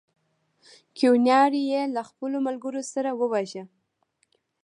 کیوناري یې له خپلو ملګرو سره وواژه.